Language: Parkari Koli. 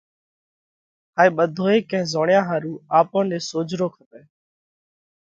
هائي ٻڌوئي ڪئين زوڻيا ۿارُو آپون نئہ سوجھرو ڪپئه،